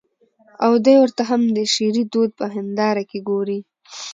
او دى ورته هم د شعري دود په هېنداره کې ګوري.